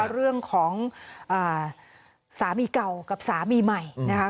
เรื่องของสามีเก่ากับสามีใหม่นะคะ